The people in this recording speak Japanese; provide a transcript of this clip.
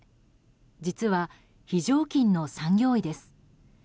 実は非常勤の産業医です。